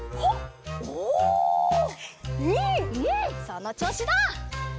そのちょうしだ。